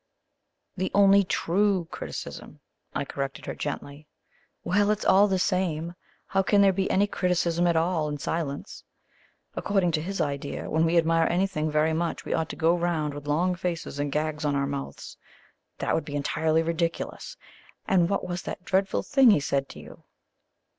"The only TRUE criticism," I corrected her gently. "Well, it's all the same. How can there be any criticism at all in silence? According to his idea when we admire anything very much we ought to go round with long faces and gags on our mouths. That would be entirely ridiculous! And what was that dreadful thing he said to you?"